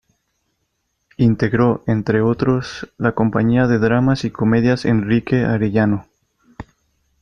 Integró, entre otros, la Compañía de Dramas y Comedias Enrique Arellano.